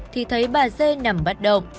thì thấy bà dê nằm bắt động